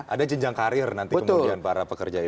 ada jenjang karir nanti kemudian para pekerja ini